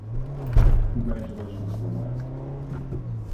Congratulations for what?